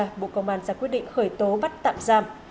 cơ quan công an đã quyết định khởi tố bắt tạm giam